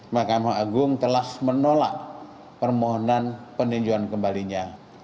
mahkamah agung telah menolak permohonan peninjauan kembalinya